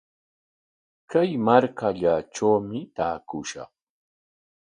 Kay markallatrawmi taakushaq.